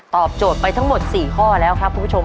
โจทย์ไปทั้งหมด๔ข้อแล้วครับคุณผู้ชม